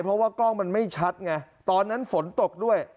เพราะว่ากล้องมันไม่ชัดไงตอนนั้นฝนตกด้วย